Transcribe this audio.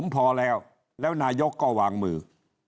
พอแล้วแล้วนายกก็วางมือ